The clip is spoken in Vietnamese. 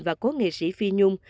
và cô nghệ sĩ phi nhung